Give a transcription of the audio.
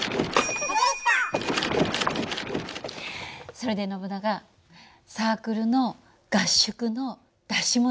それでノブナガサークルの合宿の出し物